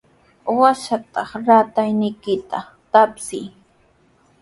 Washatraw ratayniykita tapsiy.